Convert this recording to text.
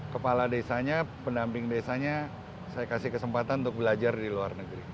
kepala desanya pendamping desanya saya kasih kesempatan untuk belajar di luar negeri